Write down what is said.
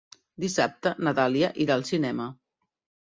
Dissabte na Dàlia irà al cinema.